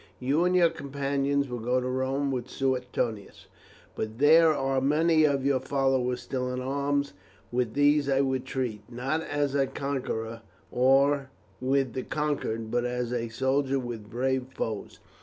You and your companions will go to Rome with Suetonius; but there are many of your followers still in arms, with these I would treat, not as a conqueror with the conquered, but as a soldier with brave foes.